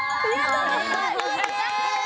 やった！